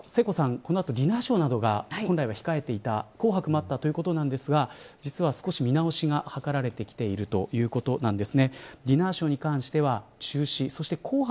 この後ディナーショーなどが本来は控えていた、紅白などもあったということですが実は少し見直しが図られてきてるということです。